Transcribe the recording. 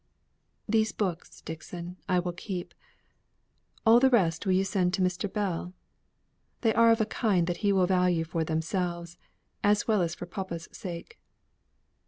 "These books, Dixon, I will keep. All the rest will you send to Mr. Bell? They are of a kind that he will value for themselves, as well as for papa's sake.